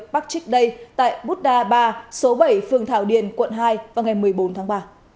bắt chích đây tại buddha ba số bảy phường thảo điền quận hai vào ngày một mươi bốn tháng ba